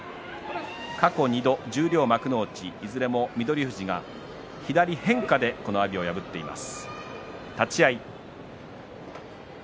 過去２度、十両幕内いずれも翠富士が左変化で阿炎を破っています。